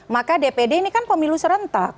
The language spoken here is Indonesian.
maka dpd ini kan pemilu serentak